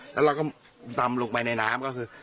แล้วเราก็ดำลงไปในน้ำก็คือ